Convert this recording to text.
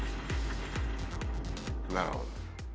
なるほど。